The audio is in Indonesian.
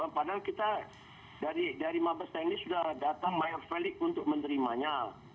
padahal kita dari mabes tni sudah datang mayor felix untuk menerimanya